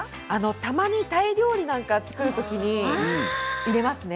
たまにタイ料理を作るときに入れますね